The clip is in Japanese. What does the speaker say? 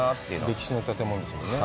歴史の建物ですもんね。